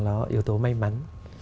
đó là yếu tố may mắn